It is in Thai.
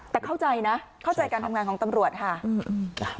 แต่เข้าใจนะเข้าใจการทำงานของตำรวจค่ะอืม